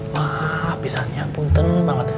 maaf pisahnya punten banget